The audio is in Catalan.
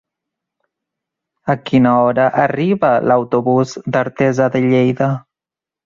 A quina hora arriba l'autobús d'Artesa de Lleida?